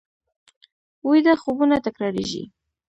ویده خوبونه تکرارېږي